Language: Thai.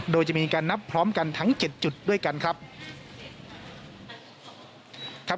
โดยจะมีการนับพร้อมกันทั้ง๗จุดด้วยกันครับ